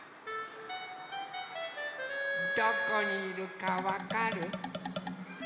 どこにいるかわかる？